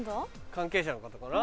関係者の方かな？